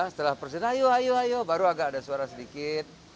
setelah presiden ayo ayo baru agak ada suara sedikit